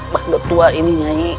pak doktua ini nyai